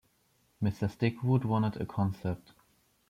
Mr Stigwood wanted a concept.